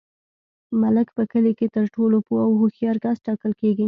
ملک په کلي کي تر ټولو پوه او هوښیار کس ټاکل کیږي.